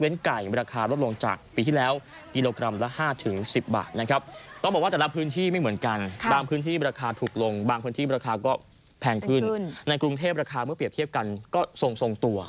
ในกรุงเทพราคาเมื่อเปรียบเทียบกันก็ทรงตัว